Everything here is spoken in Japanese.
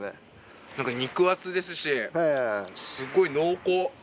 肉厚ですしすごい濃厚。